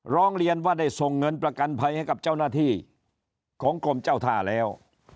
ร้องเรียนว่าได้ส่งเงินประกันภัยให้กับเจ้าหน้าที่ของกรมเจ้าท่าแล้ว